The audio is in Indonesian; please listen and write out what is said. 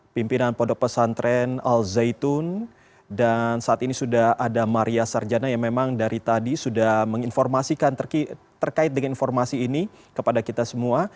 pimpinan pondok pesantren al zaitun dan saat ini sudah ada maria sarjana yang memang dari tadi sudah menginformasikan terkait dengan informasi ini kepada kita semua